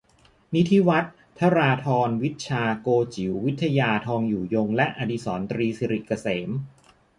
นิธิวัฒน์ ธราธร วิชชา โกจิ๋ว วิทยา ทองอยู่ยง และ อดิสรณ์ ตรีสิริเกษม